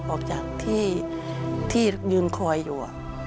ออกจากที่ยืนคอยอยู่